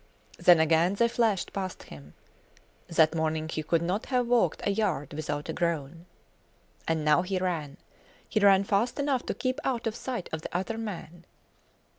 Then again they flashed past him. That morning he could not have walked a yard without a groan. And now he ran. He ran fast enough to keep out of sight of the other man.